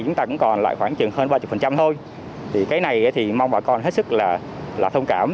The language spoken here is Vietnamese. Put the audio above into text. chúng ta cũng còn lại khoảng chừng hơn ba mươi thôi thì cái này thì mong bà con hết sức là thông cảm